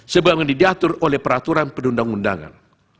sebagian didiatur oleh peraturan penduduk undangan